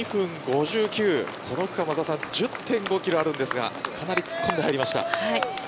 この区間、１０．５キロありますが、かなり突っ込んで入りました。